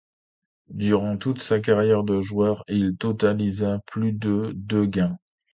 Durant toute sa carrière de joueur, il totalisa plus de de gains.